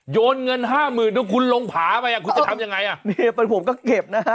โยนเงินห้ามื่นแล้วคุณลงผ่าไปอ่ะคุณจะทำยังไงอ่ะมีเหตุผลผมก็เก็บนะฮะ